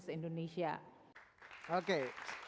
dan juga untuk menjaga keuntungan indonesia